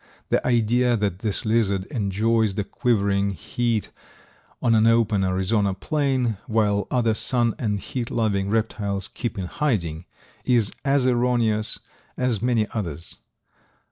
The idea that this lizard enjoys the quivering heat on an open Arizona plain, while other sun and heat loving reptiles keep in hiding, is as erroneous as many others.